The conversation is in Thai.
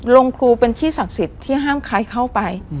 โรงครูเป็นที่ศักดิ์สิทธิ์ที่ห้ามใครเข้าไป